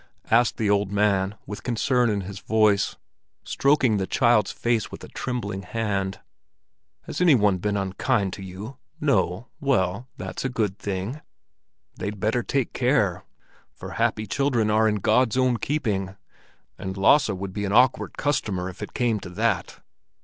asked the old man, with concern in his voice, stroking the child's face with a trembling hand. "Has any one been unkind to you? No? Well, that's a good thing! They'd better take care, for happy children are in God's own keeping. And Lasse would be an awkward customer if it came to that.